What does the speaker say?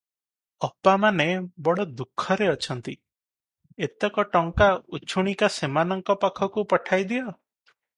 ଅପାମାନେ ବଡ଼ ଦୁଃଖରେ ଅଛନ୍ତି, ଏତକ ଟଙ୍କା ଉଛୁଣିକା ସେମାନଙ୍କ ପାଖକୁ ପଠାଇ ଦିଅ ।"